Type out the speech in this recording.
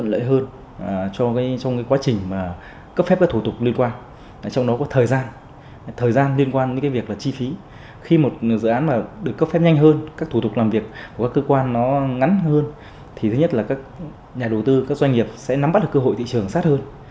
nhiều doanh nghiệp sẽ nắm bắt được cơ hội thị trường sát hơn